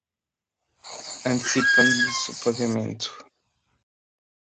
antecipando-lhes o pagamento